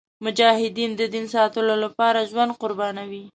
مجاهد د دین ساتلو لپاره ژوند قربانوي.